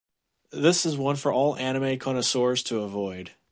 This is one for all anime connoisseurs to avoid.